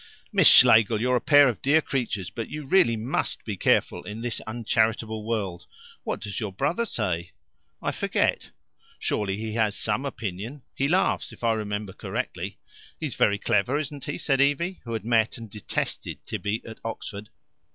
"Miss Schlegel, you're a pair of dear creatures, but you really MUST be careful in this uncharitable world. What does your brother say?" "I forget." "Surely he has some opinion?" "He laughs, if I remember correctly." "He's very clever, isn't he?" said Evie, who had met and detested Tibby at Oxford.